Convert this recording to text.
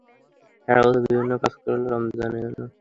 সারা বছর বিভিন্ন কাজ করলেও রমজানে হয়ে যান পুরোদস্তুর ইফতারি ব্যবসায়ী।